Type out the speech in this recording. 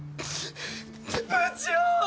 部長！